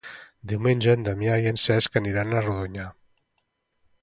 Diumenge na Damià i en Cesc aniran a Rodonyà.